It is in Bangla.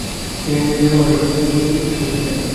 তিনি জ্যারো মঠে অ্যাবট কেওলফ্রাথের সাথে যোগ দেন।